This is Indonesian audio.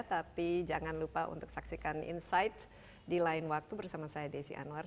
tapi jangan lupa untuk saksikan insight di lain waktu bersama saya desi anwar